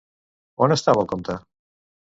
On estava el comte?